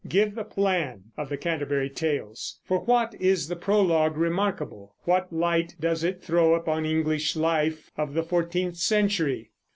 Give the plan of the Canterbury Tales. For what is the Prologue remarkable? What light does it throw upon English life of the fourteenth century?